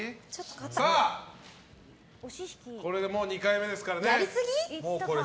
これで２回目ですから。